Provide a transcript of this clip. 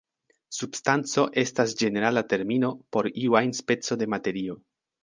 Substanco estas ĝenerala termino por iu ajn speco de materio.